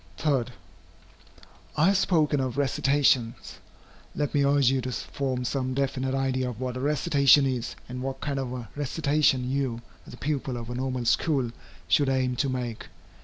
3. I have spoken of recitations. Let me urge you to form some definite idea of what a recitation is, and what kind of a recitation you, as a pupil of a Normal School, should aim to make.